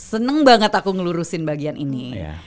seneng banget aku ngelurusin bagian ini